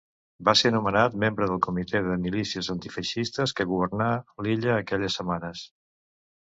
Va ser anomenat membre del Comitè de Milícies Antifeixistes que governà l'illa aquelles setmanes.